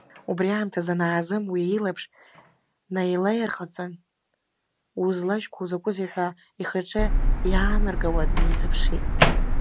Убри аамҭазы Наазым уи илаԥш наилаирҟацан, узлажьқәоу закәызеи ҳәа ихаҿы иаанаргауа, днаизыԥшит.